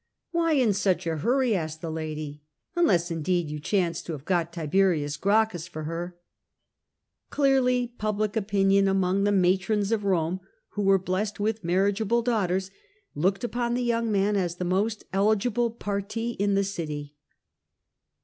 " Why in such a hurry/' asked the lady, '"unless indeed you chance to have got Tiberius Gracchus for her ?'' Clearly public opinion, among the matrons of Eome who were blessed with marriageable daughters, looked upon the young man as the most eligible parti in the city.